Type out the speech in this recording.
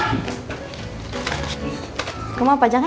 kamu mau pajang ya